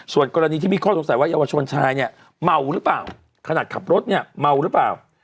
ส่วนกรณีที่มีข้อสงสัยว่าเยาวชนชายเนี่ยเมาหรือเปล่าขนาดขับรถเนี่ยเมาหรือเปล่า